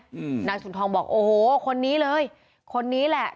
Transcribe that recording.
อืมนายสุนทองบอกโอ้โหคนนี้เลยคนนี้แหละ